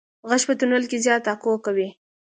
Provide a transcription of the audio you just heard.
غږ په تونل کې زیات اکو کوي.